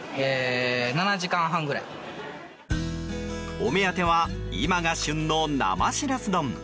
お目当ては今が旬の生シラス丼。